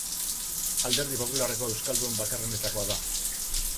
Alderdi Popularreko euskaldun bakarrenetakoa da.